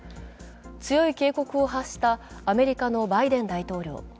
強い警告を発したアメリカのバイデン大統領。